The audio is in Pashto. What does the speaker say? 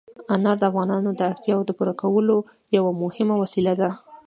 انار د افغانانو د اړتیاوو د پوره کولو یوه مهمه وسیله ده.